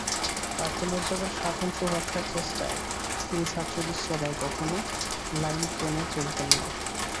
আত্মমর্যাদার স্বাতন্ত্র্য রক্ষার চেষ্টায় তিনি ছাত্রদের সেবায় কখনো লাইন টেনে চলতেন না।